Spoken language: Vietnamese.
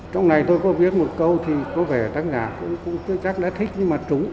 trong này tôi có viết một câu thì có vẻ tác giả cũng chắc đã thích nhưng mà trúng